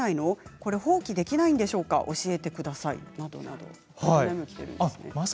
これは放棄できないんでしょうか教えてくださいなどなどきています。